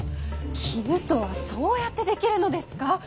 絹とはそうやって出来るのですか。